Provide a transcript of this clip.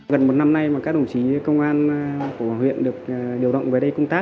gần một năm nay mà các đồng chí công an của huyện được điều động về đây công tác